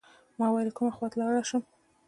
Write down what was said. ما ویل کومه خوا لاړ شم.